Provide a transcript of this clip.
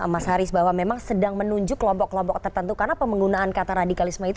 mas haris bahwa memang sedang menunjuk kelompok kelompok tertentu karena penggunaan kata radikalisme itu